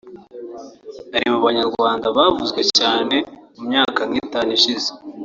ari mu Banyarwanda bavuzwe cyane mu myaka nk’itanu ishize